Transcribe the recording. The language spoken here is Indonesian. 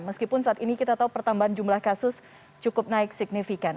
meskipun saat ini kita tahu pertambahan jumlah kasus cukup naik signifikan